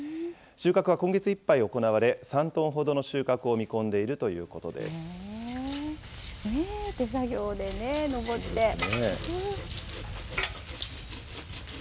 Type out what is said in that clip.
収穫は今月いっぱい行われ、３トンほどの収穫を見込んでいるとい手作業でね、登って。